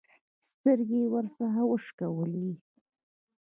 سترګې يې ورڅخه وشکولې.